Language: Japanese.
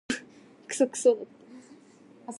クソクソ